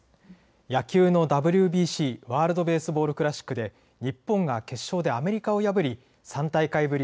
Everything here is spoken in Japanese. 野球のＷＢＣ・ワールド・ベースボール・クラシックで日本が決勝でアメリカを破り３大会ぶり